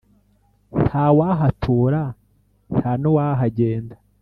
nta wahatura, nta n’uwahagenda.